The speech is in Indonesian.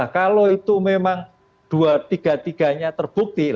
kalau itu memang tiga tiga tiganya terbukti